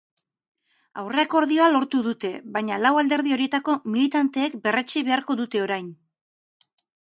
Aurreakordioa lortu dute, baina lau alderdi horietako militanteek berretsi beharko dute orain.